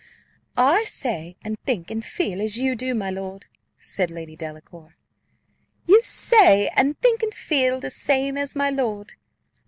"I say, and think, and feel, as you do, my lord," said Lady Delacour. "You say, and think, and feel the same as my lord.